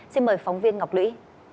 xin mời phóng viên ngọc lũy